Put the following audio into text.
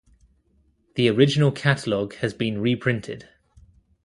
The original catalog has been reprinted.